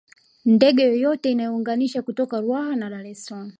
Ndege yoyote inayounganisha kutoka Ruaha na Dar es Salaam